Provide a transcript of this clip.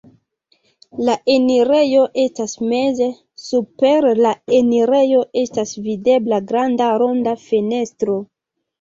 La enirejo estas meze, super la enirejo estas videbla granda ronda fenestro.